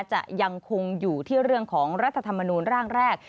จะยังคงอยู่ที่เรื่องของรัฐธรรมนูลร่างแรก